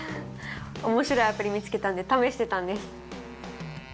面白いアプリ見つけたんで試してたんです。